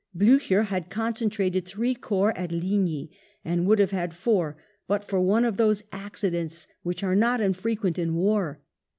Blucher had concentrated three corps at Ligny, and would have had four but for one of those accidents which are not infrequent in war.